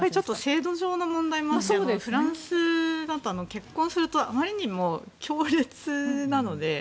制度上の問題もあってフランスだと結婚するとあまりにも強烈なので。